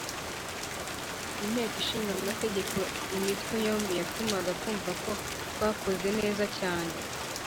Inteko Ishinga Amategeko Imitwe yombi yatumaga twumva ko twakoze neza cyane